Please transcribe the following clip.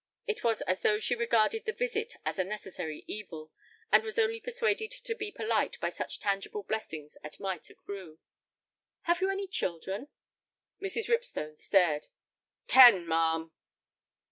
It was as though she regarded the visit as a necessary evil, and was only persuaded to be polite by such tangible blessings as might accrue. "Have you any children?" Mrs. Ripstone stared. "Ten, ma'am."